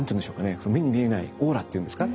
目に見えないオーラっていうんですか。